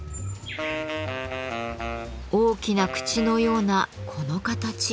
大きな口のようなこの形。